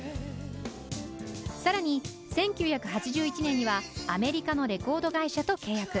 更に１９８１年にはアメリカのレコード会社と契約。